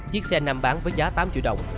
chiếc xe nam bán với giá tám triệu đồng